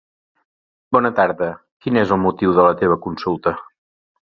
Bona tarda, quin és el motiu de la teva consulta?